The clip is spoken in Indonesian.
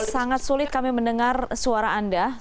sangat sulit kami mendengar suara anda